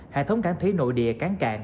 hệ thống cảng thủy nội địa cán cạn